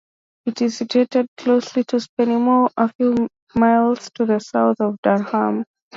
It is situated close to Spennymoor, a few miles to the south of Durham.